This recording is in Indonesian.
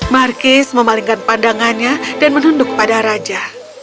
markis memalingkan pandangannya dan menunduk pada raja